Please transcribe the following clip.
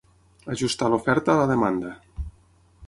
Ajustar l’oferta a la demanda.